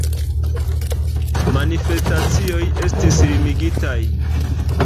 Manifestacioj estis limigitaj.